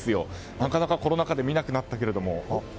なかなかコロナ禍で見なくなったけれども。